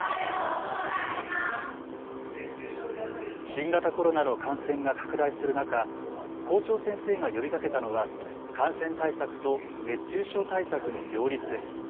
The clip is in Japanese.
新型コロナの感染が拡大する中、校長先生が呼びかけたのは感染対策と熱中症対策の両立です。